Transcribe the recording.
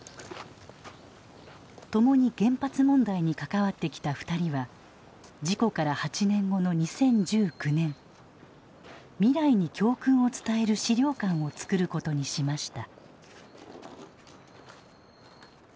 共に原発問題に関わってきた２人は事故から８年後の２０１９年未来に教訓を伝える資料館をつくることにしました。